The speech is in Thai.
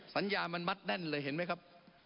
สัญญามันมัดแน่นเลยเห็นไหมครับ